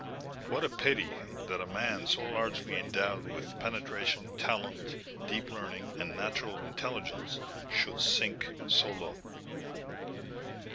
"What a pity that a man so largely endowed with penetration, talent, deep learning, and natural intelligence, should sink so low!"